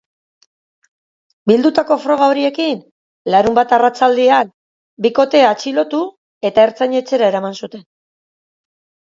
Bildutako froga horiekin, larunbat arratsaldean bikotea atxilotu eta ertzain-etxera eraman zuten.